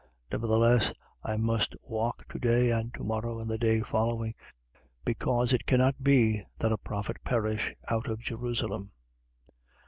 13:33. Nevertheless, I must walk to day and to morrow and the day following, because it cannot be that a prophet perish, out of Jerusalem.